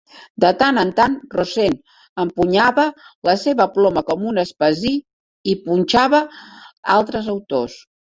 De tant en tant, Rosen empunyava la seva ploma com un espasí, i punxava altres autors.